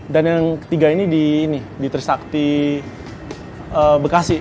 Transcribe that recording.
yang ketiga ini di trisakti bekasi